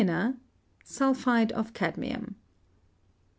Sulphide of cadmium.